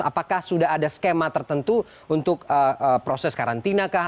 apakah sudah ada skema tertentu untuk proses karantina kah